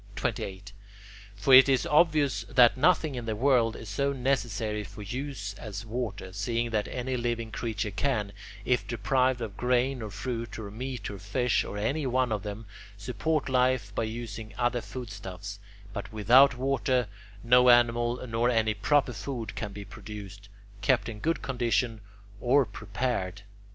28. For it is obvious that nothing in the world is so necessary for use as water, seeing that any living creature can, if deprived of grain or fruit or meat or fish, or any one of them, support life by using other foodstuffs; but without water no animal nor any proper food can be produced, kept in good condition, or prepared.